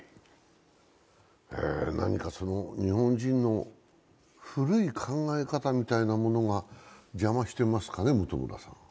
何か日本人の古い考え方みたいなものが邪魔していますかね？